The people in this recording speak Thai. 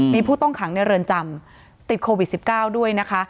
มีผู้ต้องขังในเรือนจำติดโควิด๑๙ด้วยนะคะ